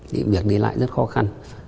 thì việc đi lại rất khó khăn